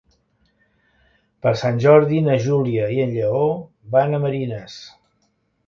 Per Sant Jordi na Júlia i en Lleó van a Marines.